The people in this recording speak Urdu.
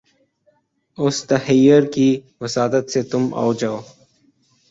اُس تحیّر کی وساطت سے تُم آؤ جاؤ